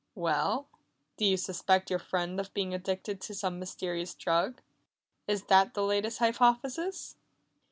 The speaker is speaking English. "Well? Do you suspect your friend of being addicted to some mysterious drug? Is that the latest hypothesis?"